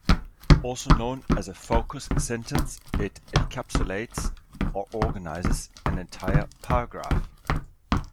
Also known as a focus sentence, it encapsulates or organizes an entire paragraph.